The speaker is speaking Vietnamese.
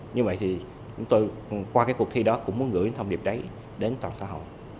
như vậy thì chúng tôi qua cái cuộc thi đó cũng muốn gửi thông điệp đấy đến toàn xã hội